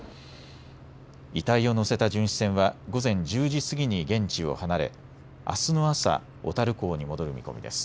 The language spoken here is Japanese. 遺体を乗せた巡視船は午前１０時過ぎに現地を離れあすの朝、小樽港に戻る見込みです。